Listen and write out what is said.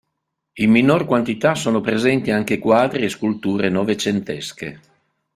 In minor quantità sono presenti anche quadri e sculture novecentesche.